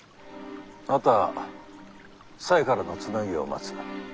あとは紗江からのつなぎを待つ。